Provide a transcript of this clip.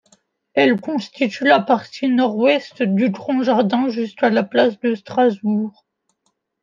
Elle constitue la partie nord-ouest du Grand Jardin jusqu’à la place de Strasbourg.